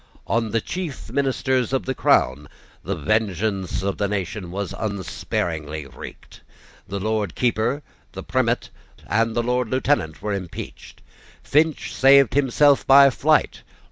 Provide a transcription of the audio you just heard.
On the chief ministers of the crown the vengeance of the nation was unsparingly wreaked. The Lord Keeper, the Primate, the Lord Lieutenant were impeached. Finch saved himself by flight.